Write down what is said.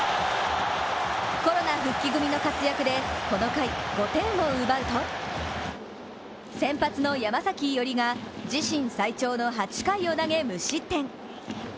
コロナ復帰組の活躍でこの回、５点を奪うと先発の山崎伊織が自身最長の８回を投げ無失点。